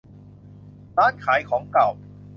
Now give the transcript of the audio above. ร้านขายของเก่า